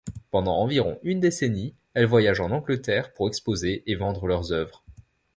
Pendant environ une décennie, elles voyagent en Nouvelle-Angleterre pour exposer et vendre leurs œuvres.